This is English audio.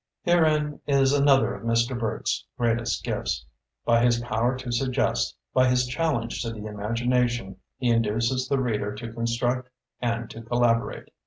Herein is another of Mr. Burt's greatest gifts; by his power to sug gest, by his challenge to the imagina tion he induces the reader to construct and to collaborate.